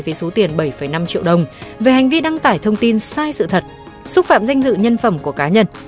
với số tiền bảy năm triệu đồng về hành vi đăng tải thông tin sai sự thật xúc phạm danh dự nhân phẩm của cá nhân